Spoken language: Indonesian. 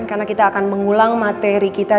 karena kita akan mengulang materi kita rp